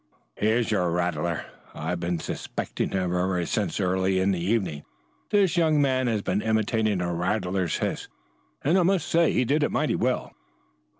"Here's your rattler. I've been suspecting him ever since early in the evening. This young man has been imitating a rattler's hiss and I must say he did it mighty well."